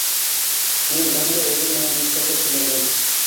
Мин бындай әҙәм менән йәшәргә теләмәйем.